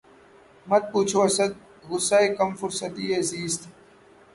مت پوچھ اسد! غصۂ کم فرصتیِ زیست